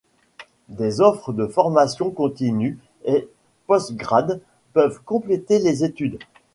Des offres de formation continue et postgrade peuvent compléter les études.